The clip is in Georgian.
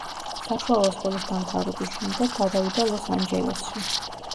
საშუალო სკოლის დამთავრების შემდეგ, გადავიდა ლოს-ანჯელესში.